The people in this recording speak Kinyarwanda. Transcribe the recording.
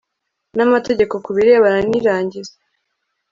n amategeko ku birebana n irangiza